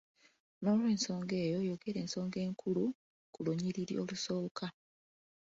N'olw'ensonga eyo yogera ensonga enkulu ku lunyiriri olusooka.